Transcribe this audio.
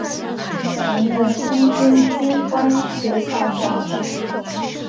曾任空军军官学校校长。